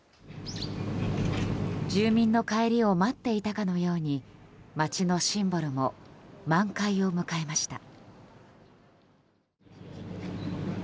住民の帰りを待っていたかのように町のシンボルも満開を迎えました。